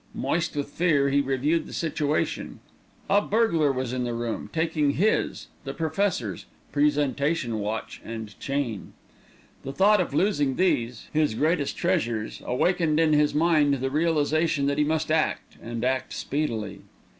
Moist with fear, he reviewed the situation. A burglar was in the room, taking his the Professor's presentation watch and chain. The thought of losing these, his greatest treasures, awakened in his mind the realisation that he must act, and act speedily.